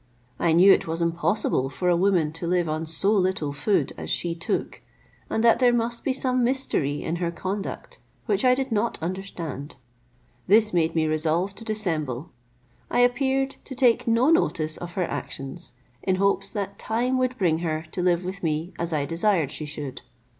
I knew it was impossible for a woman to live on so little food as she took, and that there must be some mystery in her conduct, which I did not understand. This made me resolve to dissemble; I appeared to take no notice of her actions, in hopes that time would bring her to live with me as I desired she should.